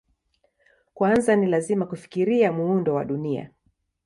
Kwanza ni lazima kufikiria muundo wa Dunia.